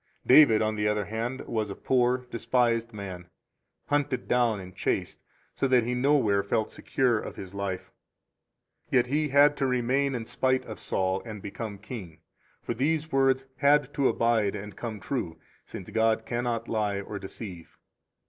46 David, on the other hand, was a poor, despised man, hunted down and chased, so that he nowhere felt secure of his life; yet he had to remain in spite of Saul, and become king. For these words had to abide and come true, since God cannot lie or deceive.